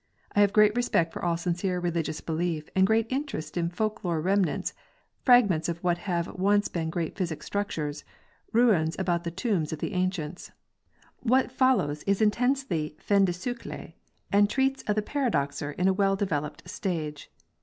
I have great respect for all sincere religious belief and great interest in folk lore remnants—fragements of what have once been great psychic structures—ruins about the tombs of the ancients. What fol lows is intensely jfin de siccle and treats of the paradoxer in a well developed stage.